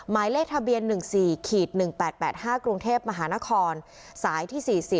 หมายเลขทะเบียน๑๔๑๘๘๕กรุงเทพมหานครสายที่๔๐